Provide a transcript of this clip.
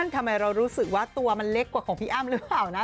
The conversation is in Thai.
ทำไมเรารู้สึกว่าตัวมันเล็กกว่าของพี่อ้ำหรือเปล่านะ